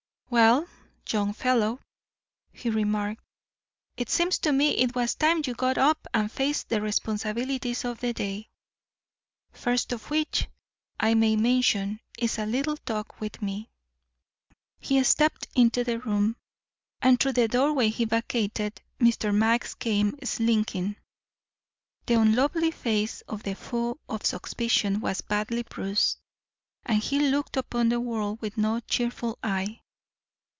"Well, young fellow," he remarked, "it seems to me it was time you got up and faced the responsibilities of the day. First of which, I may mention, is a little talk with me." He stepped into the room, and through the doorway he vacated Mr. Max came slinking. The unlovely face of the foe of suspicion was badly bruised, and he looked upon the world with no cheerful eye.